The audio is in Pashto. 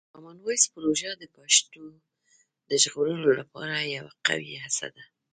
کامن وایس پروژه د پښتو د ژغورلو لپاره یوه قوي هڅه ده.